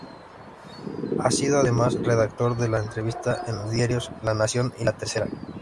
Ha sido, además, redactor de entrevistas en los diarios La Nación y La Tercera.